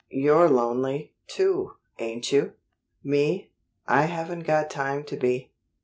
"You're lonely, too, ain't you?" "Me? I haven't got time to be.